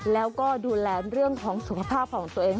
แล้วก็ดูแลเรื่องของสุขภาพของตัวเอง